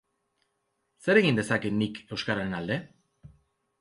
Zer egin dezaket nik euskararen alde?